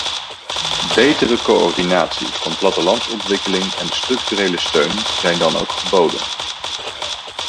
Betere coördinatie van plattelandsontwikkeling en structurele steun zijn dan ook geboden.